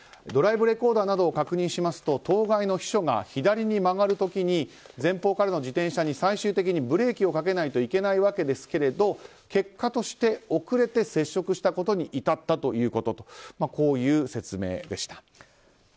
ドライブレコーダーなどを確認しますと当該の秘書が左に曲がる時に前方からの自転車に最終的にブレーキをかけないといけないわけですが結果として遅れて接触したことに至ったという説明でした。